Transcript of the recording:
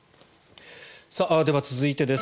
では続いてです。